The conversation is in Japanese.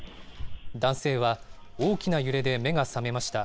男性は、大きな揺れで目が覚めました。